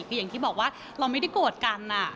คืออย่างที่บอกว่าเราไม่ได้โกรธกัน